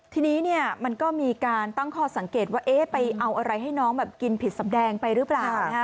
ที่นี้เนี่นมันก็มีการตั้งคอสังเกตว่าให้น้องไม่กินพีจะไปหรือเปล่า